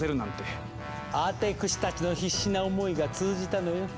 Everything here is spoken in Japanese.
アテクシたちの必死な思いが通じたのよ。